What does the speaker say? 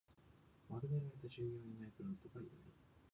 丸められた従業員用のエプロンとか色々